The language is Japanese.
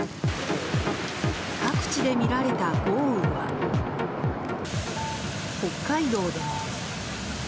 各地で見られた豪雨は北海道でも。